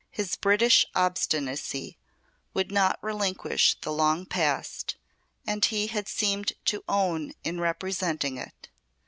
His British obstinacy would not relinquish the long past he and his had seemed to own in representing it.